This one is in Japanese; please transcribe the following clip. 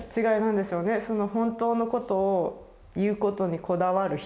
その本当のことを言うことにこだわる人。